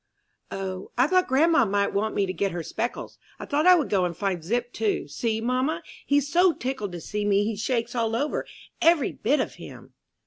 "O, I thought grandma might want me to get her speckles. I thought I would go and find Zip too. See, mamma, he's so tickled to see me he shakes all over every bit of him!"